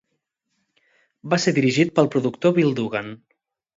Va ser dirigit pel productor Bill Dugan.